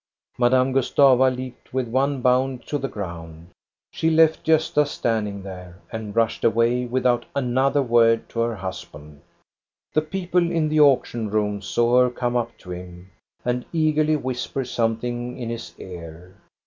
Madame Gustava leaped with one bound to the ground. She left Gosta standing there, and rushed away without another word to her husband. The people in the auction room saw her come up to him and eagerly whisper something in his ear.